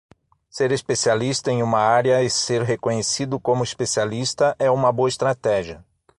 Ser especialista em uma área e ser reconhecido como especialista é uma boa estratégia.